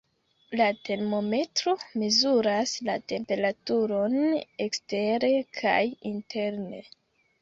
La termometro mezuras la temperaturon ekstere kaj interne.